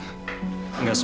saya nggak setuju